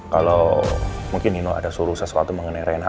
kalo mungkin nino ada suruh sesuatu mengenai rina